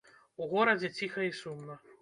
У горадзе ціха і сумна.